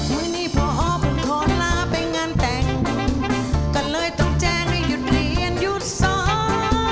เมื่อนี้พ่อพรุนทรลาไปงานแต่งกันเลยต้องแจ้งให้หยุดเรียนหยุดซ้อน